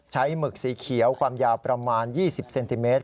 หมึกสีเขียวความยาวประมาณ๒๐เซนติเมตร